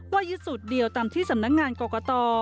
ว่ายุทธย์สุดเดียวตามที่สำนักงานกรกฎาว์